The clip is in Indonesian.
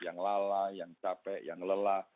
yang lalai yang capek yang lelah